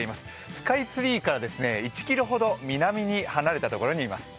スカイツリーから１ｋｍほど南に離れた所にいます。